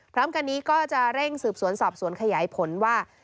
พร้อมกันนี้ก็จะเร่งสืบสวนสอบสวนขยายผลว่า